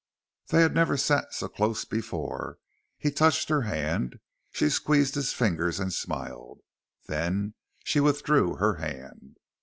They had never sat so close before. He touched her hand. She squeezed his fingers and smiled. Then she withdrew her hand.